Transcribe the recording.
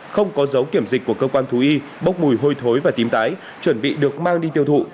không có dấu kiểm dịch của cơ quan thú y bốc mùi hôi thối và tím tái chuẩn bị được mang đi tiêu thụ